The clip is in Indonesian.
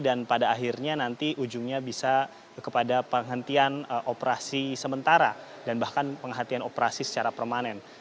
dan pada akhirnya nanti ujungnya bisa kepada penghentian operasi sementara dan bahkan penghatian operasi secara permanen